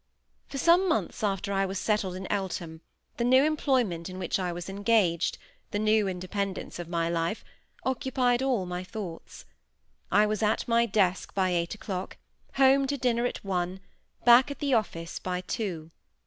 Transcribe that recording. For some months after I was settled in Eltham, the new employment in which I was engaged—the new independence of my life—occupied all my thoughts. I was at my desk by eight o"clock, home to dinner at one, back at the office by two.